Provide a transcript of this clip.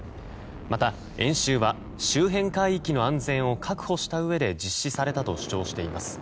また、演習は周辺海域の安全を確保したうえで実施されたと主張しています。